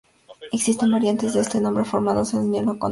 Existen variantes de este nombre formadas al unirlo con otros.